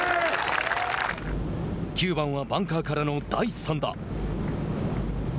９番はバンカーからの第３打。